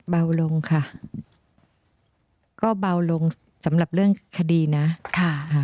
เบาลงค่ะก็เบาลงสำหรับเรื่องคดีนะค่ะ